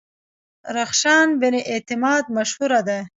رخشان بني اعتماد مشهوره ده.